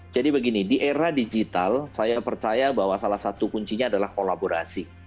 jadi begini di era digital saya percaya bahwa salah satu kuncinya adalah kolaborasi